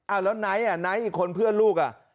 อ้าวแล้วไหนอ่ะไหนอีกคนเพื่อนลูกอ่ะ